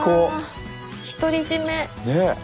あ独り占め。